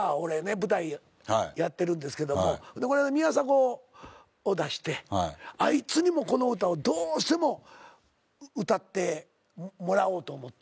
舞台やってるんですけどこの間宮迫を出してあいつにもこの歌をどうしても歌ってもらおうと思って。